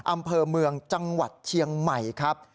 อำเภอเมืองจังหวัดเชียงใหม่ครับ